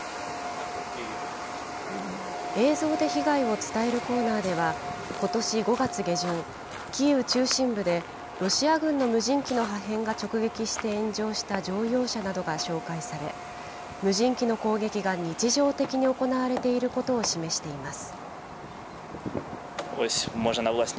映像で被害を伝えるコーナーでは、ことし５月下旬、キーウ中心部でロシア軍の無人機の破片が直撃して炎上した乗用車などが紹介され、無人機の攻撃が日常的に行われていることを示しています。